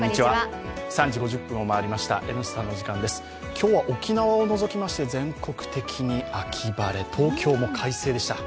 今日は沖縄を除きまして、全国的に秋晴れ、東京も快晴でした。